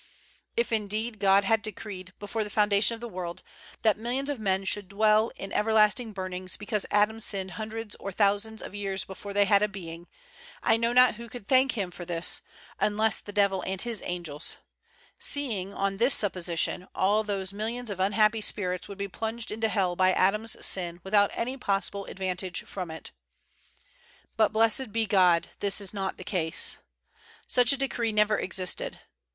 If, indeed, God had decreed, before the foundation of the world, that millions of men should dwell in everlasting burnings because Adam sinned hundreds or thousands of years before they had a being, I know not who could thank him for this, unless the devil and his angels: seeing, on this supposition, all those millions of unhappy spirits would be plunged into hell by Adam's sin without any possible advantage from it. But, blessed be God, this is not the case. Such a de cree never existed.